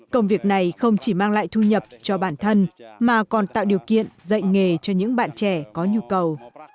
công việc này không chỉ mang lại thu nhập cho bản thân mà còn tạo điều kiện dạy nghề cho những bạn trẻ có nhu cầu